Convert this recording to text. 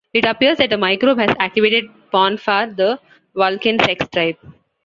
It appears that a microbe has activated pon farr, the Vulcan sex drive.